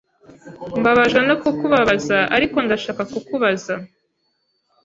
Mbabajwe no kukubabaza, ariko ndashaka kukubaza.